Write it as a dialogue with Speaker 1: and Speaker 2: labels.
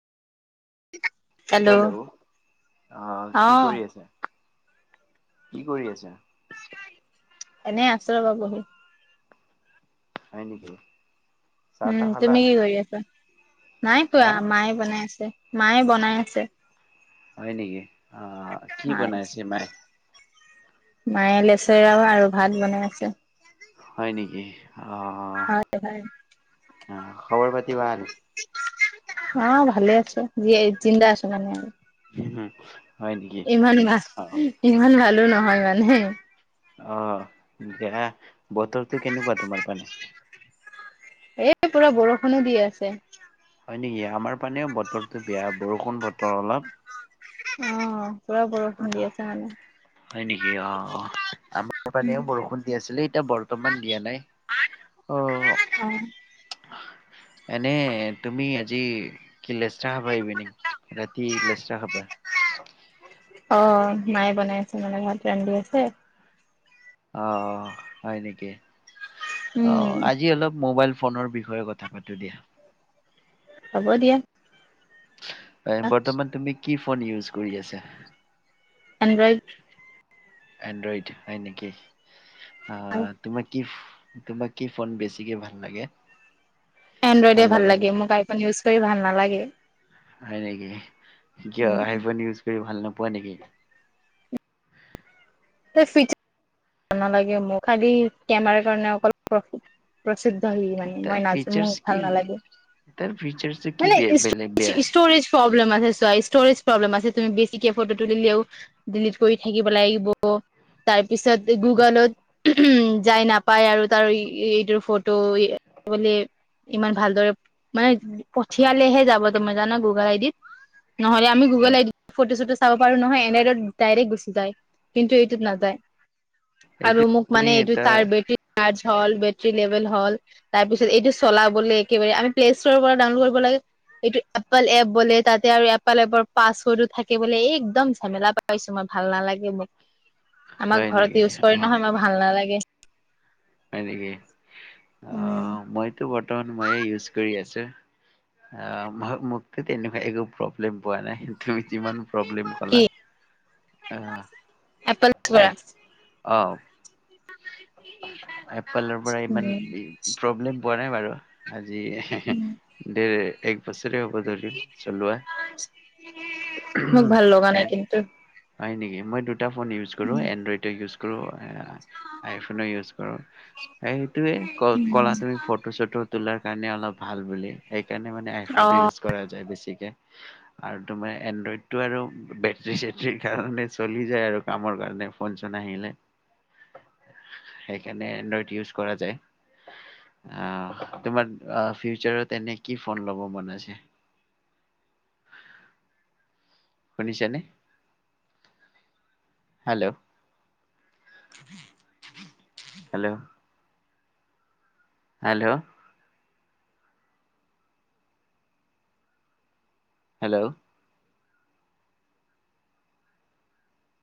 Speaker 1: Hello অ
Speaker 2: অ
Speaker 1: কি কৰি আছা? কি কৰি আছা?
Speaker 2: এনেই আশ্ৰ বা বহি।
Speaker 1: হয় নেকি? চাহ তাহ
Speaker 2: উম
Speaker 1: খালা
Speaker 2: তুমি কি কৰি আছা? নাই
Speaker 1: হা
Speaker 2: কোৱা মায়ে বনাই আছে, মায়ে বনাই আছে।
Speaker 1: হয় নেকি? অ। কি
Speaker 2: হয়,
Speaker 1: বনাইছে মায়ে
Speaker 2: মায়ে লেচৰাও আৰু ভাত বনাই আছে।
Speaker 1: হয় নেকি? অ
Speaker 2: হয় হয়
Speaker 1: অহ খবৰ পাতি ভাল?
Speaker 2: অ ভালে আছে, জীয়াই জীন্দা আছো মানে আৰু।
Speaker 1: [unintelligible]
Speaker 2: ইমান ভা
Speaker 1: অ
Speaker 2: ইমানো ভালো নহয় মানে।
Speaker 1: অ দেয়া, বতৰটো কেনেকুৱা তোমাৰ পানে?
Speaker 2: এ পুৰা বৰষুণো দি আছে।
Speaker 1: হয় নেকি আমাৰ পানেও বতৰটো বেয়া বৰষুণ বতৰ অলপ।
Speaker 2: অহ। সুন্দি আছা মানে।
Speaker 1: হয় নেকি অহ অহ আমাৰ পানেও বৰষুণ দি আছিলে, এতিয়া বৰ্তমান দিয়া নাই। অহ।
Speaker 2: অ।
Speaker 1: এনে তুমি আজি কি লৈছ চাহ বাই ইভিনিং ৰাতি লেচেৰা খাবা।
Speaker 2: অ মায়ে বনাই আছে মানে ঘৰত ৰান্ধি আছে।
Speaker 1: অহ হয় নেকি
Speaker 2: উম
Speaker 1: অহ আজি অলপ মোবাইল ফোনৰ বিষয়ে কথা পাতো দিয়া।
Speaker 2: হ'ব দিয়া।
Speaker 1: নাই বৰ্তমান তুমি কি ফোন ইউজ কৰি আছা?
Speaker 2: এনড্ৰইড।
Speaker 1: এণ্ড্ৰইড হয় নেকি, আহ তোমাক কি তোমাক কি ফোন বেছিকে ভাল লাগে?
Speaker 2: এনড্ৰইডে ভাল
Speaker 1: লগা
Speaker 2: লাগে,
Speaker 1: মোবাইল
Speaker 2: মোক আই ফোন ইউজ কৰি ভাল নালাগে।
Speaker 1: হয় নেকি?
Speaker 2: উ
Speaker 1: কিয় আইফোন ইউজ কৰি ভাল নোপোৱা নেকি?
Speaker 2: এই চুইটচ [inaudible] ভাল নালাগে মোক খালি কেমেৰাৰ কাৰণে অকল [inaudible] প্ৰসিদ্ধ হৈ মানে,
Speaker 1: তাৰ
Speaker 2: মই নজানো
Speaker 1: ফিচাৰ্চ
Speaker 2: মোক
Speaker 1: কি
Speaker 2: ভাল নালাগে।
Speaker 1: তাৰ ফিচাৰছে কি
Speaker 2: মানে
Speaker 1: বেলেগ বেয়া?
Speaker 2: ষ্টৰেজ প্ৰব্লেম আছে চোৱা ষ্টৰেজ প্ৰব্লেম আছে, তুমি বেছিকে ফটো তুলিলেও ডিলিট কৰি থাকিব লাগিব। ব তাৰপিছত গুগলত উম যায় নাপায় আৰু তাৰ এইটোৰ ফট ত গলে ইমান ভালদৰে মানে পঠিয়ালেহে যাব তোমাৰ জানা গুগল আইডিত, নহ'লে আমি গুগল
Speaker 1: হয়,
Speaker 2: আইডিত ফটো চটো চাব পাৰো নহয় এনড্ৰইডত ডাইৰেক্ট গুচি যায়, কিন্তু এইটোত নাযায়। আৰু
Speaker 1: এইটো
Speaker 2: মোক মানে
Speaker 1: তুমি
Speaker 2: এইটো তাৰ বেটাৰী চাৰ্জ হল বেটাৰী লেভেল হল তাৰপিছত এইটো চলাবলে একেবাৰে আমি প্লে ষ্ট'ৰৰ পৰা ডাউনলোড কৰিব লাগে। এইটো এপেল এপ বোলে তাতে আৰু এপেল এপৰ পাছৱাৰ্ডো থাকে বোলে একদম ঝেমেলা পায় পাইছো মই ভাল নালাগে মোক। আমাৰ
Speaker 1: হয়
Speaker 2: ঘৰত
Speaker 1: নেকি?
Speaker 2: ইউজ কৰে
Speaker 1: অ',
Speaker 2: নহয় মই ভাল নালাগে।
Speaker 1: হয় নেকি?
Speaker 2: উম।
Speaker 1: অহ মইতো বৰ্তমান মইয়ে ইউজ কৰি আছো। আহ ম মোকটো তেনেকুৱা একো প্ৰব্লেম পোৱা নাই। তুমি যিমান প্ৰব্লেম
Speaker 2: কি
Speaker 1: কলা
Speaker 2: এপল ইউজ
Speaker 1: আহ
Speaker 2: কৰা?
Speaker 1: অঁহ। আপেলৰ পৰা ইমান
Speaker 2: উম।
Speaker 1: প্ৰব্লেম পোৱা নাই বাৰু আজি
Speaker 2: উম।
Speaker 1: দেৰ এক বছৰে হ'ব ধৰিল চলোৱা।
Speaker 2: মোক ভাল লগা
Speaker 1: এ
Speaker 2: নাই কিন্তু।
Speaker 1: হয় নেকি? মই দুটা ফোন ইউজ কৰো
Speaker 2: উম,
Speaker 1: এনড্ৰইডো ইউজ কৰো আইফোনো ইউজ সেইটোৱে ক কলা
Speaker 2: উম।
Speaker 1: তুমি ফটো চটো তোলাৰ কাৰণে অলপ ভাল বুলি। সেইকাৰণে মানে আইফোনটো
Speaker 2: অ',
Speaker 1: ইউজ কৰা যায় বেছিকে। আৰু তোমাৰ এনড্ৰইডটো আৰু বেটৰী চেটৰীৰ কাৰণে চলি যায় আৰু। কামৰ কাৰণে ফোন চোন আহিলে। কেনে এনড্ৰইড ইউজ কৰা যায়। আহ তোমাৰ অহ ফিউচাৰত এনে কি ফোন লব মন আছে? শুনিছানে? Hello hello. হেল্লো। হেল্লো।